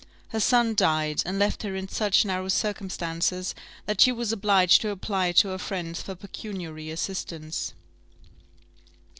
Her son died, and left her in such narrow circumstances, that she was obliged to apply to her friends for pecuniary assistance.